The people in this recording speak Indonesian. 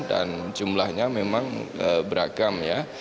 dan jumlahnya memang beragam ya